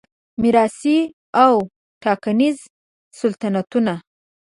میراثي او ټاکنیز سلطنتونه